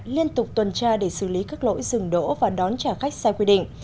liên tục tuần tra để xử lý các lỗi dừng đỗ và đón trả khách sai quy định